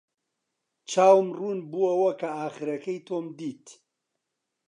چاوم ڕوون بووەوە کە ئاخرەکەی تۆم دیت.